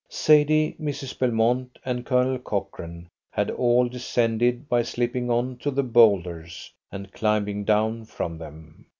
Sadie, Mrs. Belmont, and Colonel Cochrane had all descended by slipping on to the boulders and climbing down from them.